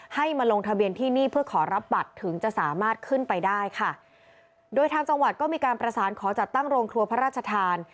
มาลงทะเบียนที่นี่เพื่อขอรับบัตรถึงจะสามารถขึ้นไปได้ค่ะโดยทางจังหวัดก็มีการประสานขอจัดตั้งโรงครัวพระราชทาน